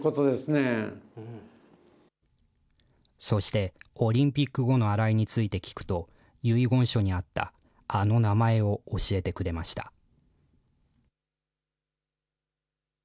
そして、オリンピック後の新井について聞くと、遺言書にあったあの名前を教えてくれました。